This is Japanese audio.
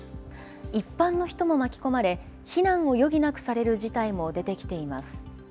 一般の人も巻き込まれ、避難を余儀なくされる事態も出てきています。